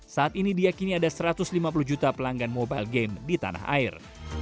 saat ini diakini ada satu ratus lima puluh juta pelanggan mobile game di tanah air